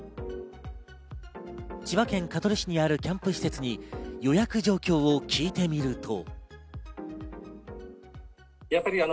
千葉県香取市にあるキャンプ施設に予約状況を聞いてみると。